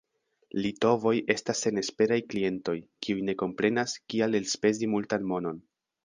Litovoj estas senesperaj klientoj, kiuj ne komprenas, kial elspezi multan monon.